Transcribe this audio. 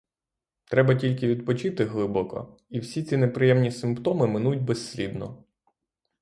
Треба тільки відпочити глибоко, і всі ці неприємні симптоми минуть безслідно.